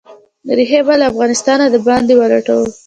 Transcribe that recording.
ریښې به «له افغانستانه د باندې ولټوو».